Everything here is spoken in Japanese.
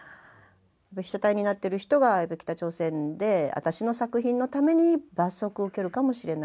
被写体になってる人が北朝鮮であたしの作品のために罰則を受けるかもしれない。